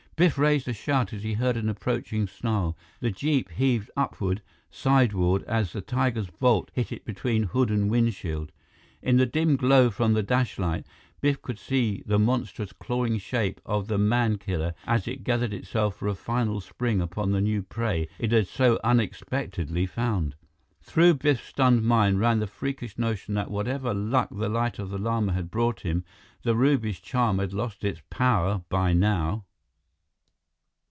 Biff raised a shout as he heard an approaching snarl. The jeep heaved upward, sideward as the tiger's bulk hit it between hood and windshield. In the dim glow from the dashlight, Biff could see the monstrous, clawing shape of the man killer as it gathered itself for a final spring upon the new prey it had so unexpectedly found. Through Biff's stunned mind ran the freakish notion that whatever luck the Light of the Lama had brought him, the ruby's charm had lost its power by now.